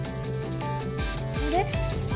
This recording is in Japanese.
あれ？